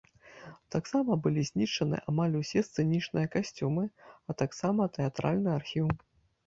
Таксама былі знішчаны амаль ўсе сцэнічныя касцюмы, а таксама тэатральны архіў.